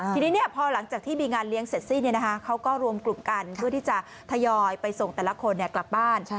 ทีนี้พอหลังจากที่มีงานเลี้ยงเสร็จสิ้นเขาก็รวมกลุ่มกันเพื่อที่จะทยอยไปส่งแต่ละคนกลับบ้าน